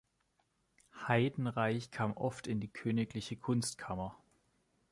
Heidenreich kam oft in die königliche Kunstkammer.